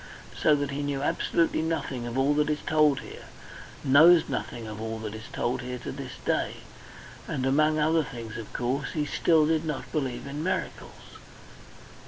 So that he knew absolutely nothing of all that is told here knows nothing of all that is told here to this day. And among other things, of course, he still did not believe in miracles.